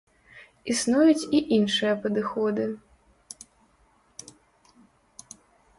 Існуюць і іншыя падыходы.